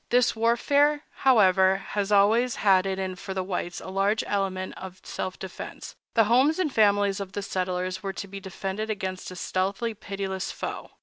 This warfare, however, always had in it for the whites a large element of self defense—the homes and families of the settlers were to be defended against a stealthy and pitiless foe.